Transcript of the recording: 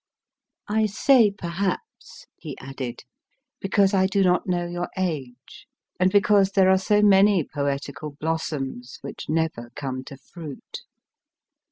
I say perhaps, he added, because I do not know your age, and because there are so many poetical blossoms which never come to fruit.